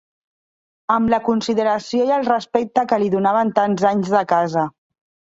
Am la consideració i el respecte que li donaven tants anys de Casa